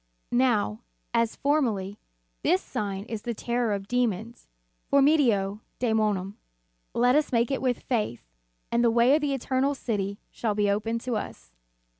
Now, as formerly, this sign is the terror of demons, formido dczmonum. Let us make it with faith, and the way to the eternal City shall be opened to us.